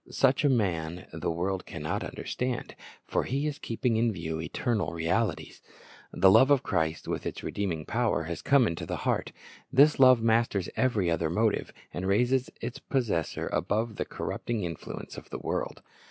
Such a man the world can not understand; for he is keeping in view eternal realities. The love of Christ with its redeeming power has come into the heart. This love masters every other motive, and raises its possessor above the corrupting influence of the world.